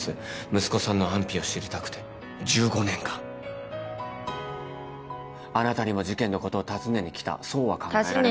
息子さんの安否を知りたくて１５年間あなたにも事件のことを尋ねに来たそうは考えられませんか？